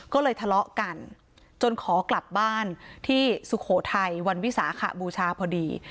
ก็เลยทะเลาะกันจนขอกลับบ้านที่สุโขทัยวันวิสาขบูชาพอดี